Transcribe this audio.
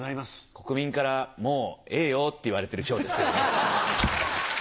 国民から「もうエエヨ」っていわれてる賞ですけどね。